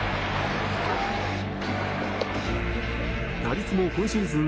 打率も今シーズン